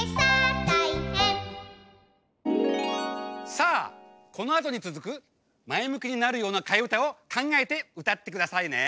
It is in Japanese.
さあこのあとにつづくまえむきになるようなかえうたをかんがえてうたってくださいね。